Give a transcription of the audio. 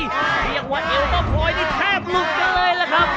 เรียกว่าเอวป๊าพรอยนี่แทบลุกกันเลยล่ะครับ